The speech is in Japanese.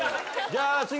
じゃあ次。